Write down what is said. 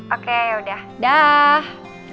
oke yaudah dah